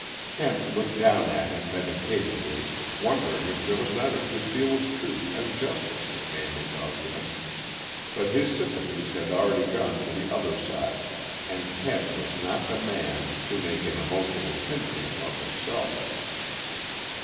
Kent looked down at him meditatively, wondering if there was not a good deal of truth and justice in Manley's argument. But his sympathies had already gone to the other side, and Kent was not the man to make an emotional pendulum of himself.